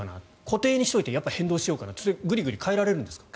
固定にしておいて変動にしようかなって変えられるんですか？